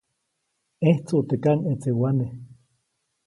ʼẼjtsuʼt teʼ kaŋʼetsewane.